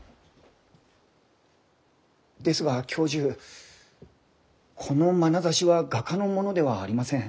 ですが教授このまなざしは画家のものではありません。